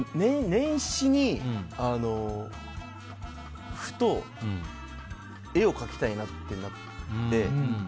年始にふと絵を描きたいなってなって。